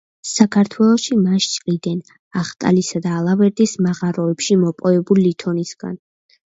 საქართველოში მას ჭრიდნენ ახტალისა და ალავერდის მაღაროებში მოპოვებული ლითონისგან.